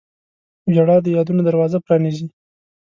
• ژړا د یادونو دروازه پرانیزي.